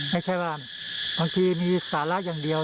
ไม่ใช่ว่าบางทีมีสาระอย่างเดียว